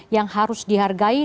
yang harus dihargai